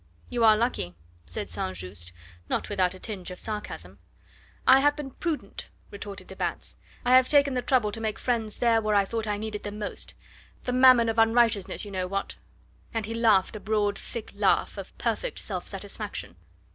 "You are lucky," said St. Just, not without a tinge of sarcasm. "I have been prudent," retorted de Batz. "I have taken the trouble to make friends there where I thought I needed them most the mammon of unrighteousness, you know what?" And he laughed a broad, thick laugh of perfect self satisfaction.